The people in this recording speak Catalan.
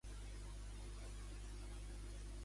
Quines són les professions d'Àngels Aymar i Ragolta?